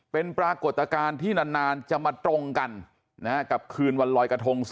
เป็นปรากฏการณ์ที่นานจะมาตรงกันกับคืนวันลอยกระทง